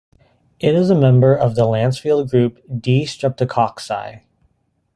It is a member of the Lancefield group D streptococci.